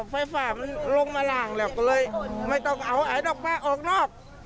ไฟฟ่ามั้งลงมาล่างแหลกก็เลยไม่ต้องเอาใอดอกแปลงออกนอก